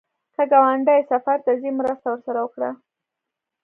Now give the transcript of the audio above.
که ګاونډی سفر ته ځي، مرسته ورسره وکړه